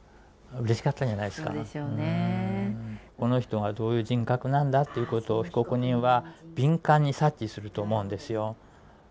この人がどういう人格なんだということを被告人は敏感に察知すると思うんですよ。